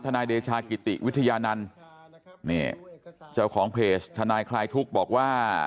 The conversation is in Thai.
นายเดชากิติวิทยานันต์นี่เจ้าของเพจทนายคลายทุกข์บอกว่า